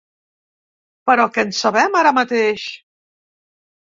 Però, què en sabem ara mateix?